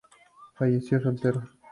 Falleció soltero.